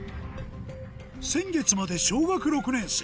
先月まで小学６年生